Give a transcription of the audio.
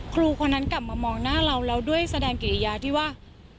ครูคนนั้นกลับมามองหน้าเราแล้วด้วยแสดงกิริยาที่ว่า